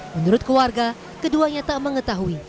menurut keluarga keduanya tak mengetahui